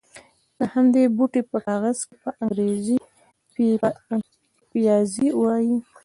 د همدې بوټي په کاغذ چې په انګرېزي پپیازي وایي.